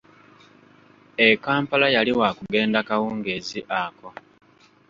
E Kampala yali waakugenda kawungeezi ako.